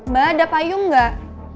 mbak ada payung nggak